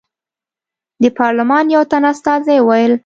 د پارلمان یو تن استازي وویل.